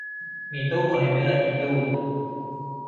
มีตู้คอนเทนเนอร์อีกตู้